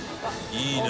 いいね。